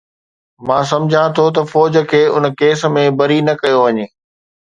مان سمجهان ٿو ته فوج کي ان ڪيس ۾ بري نه ڪيو وڃي.